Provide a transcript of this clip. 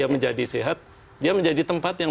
menjadi sehat dia menjadi tempat yang